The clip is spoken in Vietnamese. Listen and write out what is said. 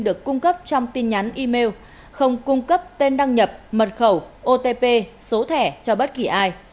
được cung cấp trong tin nhắn email không cung cấp tên đăng nhập mật khẩu otp số thẻ cho bất kỳ ai